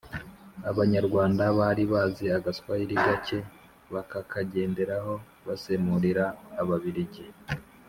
Abanyarwanda bari bazi agaswahili gake, bakakagenderaho basemurira Ababiligi